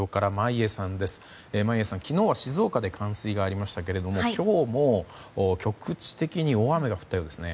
眞家さん、昨日は静岡で冠水がありましたが今日も局地的に大雨が降ったようですね。